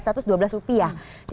jadi kan artinya anda beli